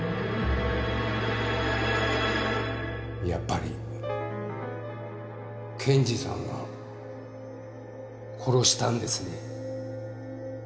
やっぱり検事さんが殺したんですね。